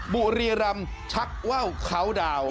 บุรีรำชักเว่าเค้าดาวน์